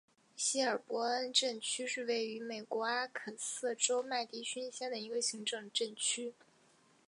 希尔伯恩镇区是位于美国阿肯色州麦迪逊县的一个行政镇区。